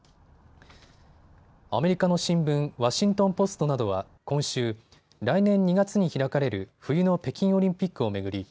アメリカの新聞、ワシントン・ポストなどは今週、来年２月に開かれる冬の北京オリンピックを巡り